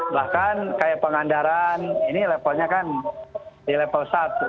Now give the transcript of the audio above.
bahkan kayak pengandaran ini levelnya kan di level satu